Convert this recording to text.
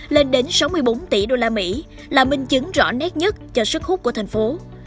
lên đến sáu mươi bốn tỷ usd là minh chứng rõ nét nhất cho sức hút của thành phố